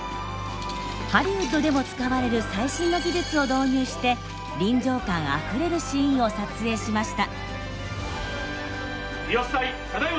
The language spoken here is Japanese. ハリウッドでも使われる最新の技術を導入して臨場感あふれるシーンを撮影しました。